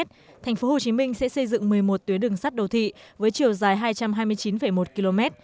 tp hcm sẽ xây dựng một mươi một tuyến đường sắt đô thị với chiều dài hai trăm hai mươi chín một km